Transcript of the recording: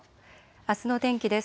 あすの天気です。